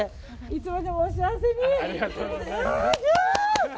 いつまでもお幸せに！